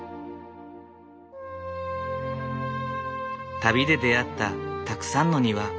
旅で出会ったたくさんの庭。